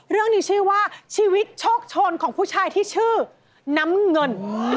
เรื่องนี้ชื่อว่าชีวิตโชคชนของผู้ชายที่ชื่อน้ำเงิน